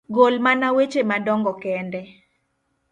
gol mana weche madongo kende.